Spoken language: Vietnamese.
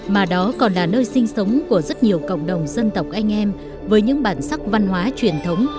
mà đó còn là nơi sinh sống của rất nhiều cộng đồng dân tộc anh em với những bản sắc văn hóa truyền thống